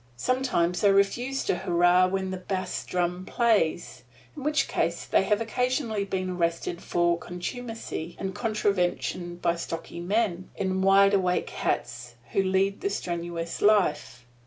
Sometimes they refuse to hurrah when the bass drum plays, in which case they have occasionally been arrested for contumacy and contravention by stocky men, in wide awake hats, who lead the strenuous life.